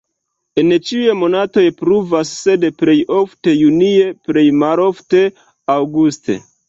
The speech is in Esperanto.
En ĉiuj monatoj pluvas, sed plej ofte junie, plej malofte aŭguste.